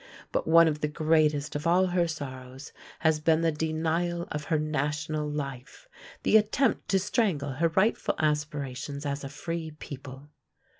But one of the greatest of all her sorrows has been the denial of her national life, the attempt to strangle her rightful aspirations as a free people.